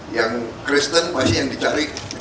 yang kristen pasti yang dicari